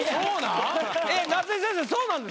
そうなん？